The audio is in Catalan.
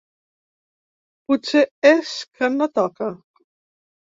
Potser és que ‘no toca’.